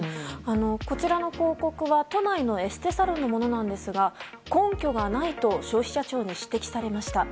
こちらの広告は都内のエステサロンのものなんですが根拠がないと消費者庁に指摘されました。